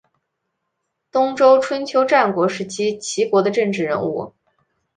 东周春秋战国时期齐国的政治人物。